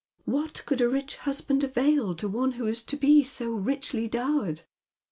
What could a rich husband avail to one who is to be Bo richly dowered ?